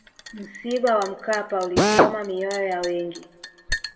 msiba wa mkapa ulichoma mioyo ya wengi